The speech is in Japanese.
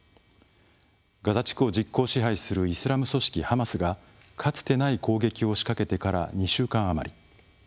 ガザ地区を実効支配するイスラム組織ハマスがかつてない攻撃を仕掛けてから２週間余り。